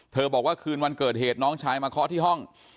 บอกว่าคืนวันเกิดเหตุน้องชายมาเคาะที่ห้อง